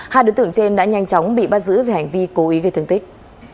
hai đối tượng trên đã nhanh chóng bị bắt giữ về hành vi cố ý gây thương tích